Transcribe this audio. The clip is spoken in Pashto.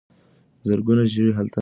زرګونه ژوي هلته اوسي.